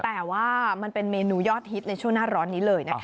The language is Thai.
แต่ว่ามันเป็นเมนูยอดฮิตในช่วงหน้าร้อนนี้เลยนะคะ